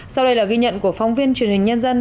sau đây là ghi nhận của phóng viên truyền hình nhân dân